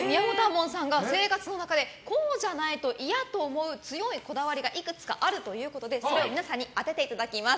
門さんが、生活の中でこうじゃないと嫌と思う強いこだわりがいくつかあるということでそれを皆さんに当てていただきます。